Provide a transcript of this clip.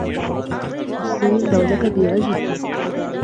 الصين دولة كبيرة جداً